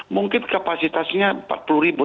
mungkin kapasitasnya empat puluh ribu